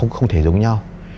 không thể giống nhau